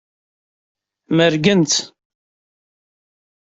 Mergent.